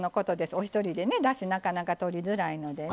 お一人でねだしなかなかとりづらいのでね。